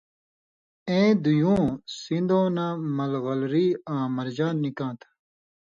اېں دُویُوں (سِن٘دؤں) نہ ملغلری آں مرجان نِکاں تھہ۔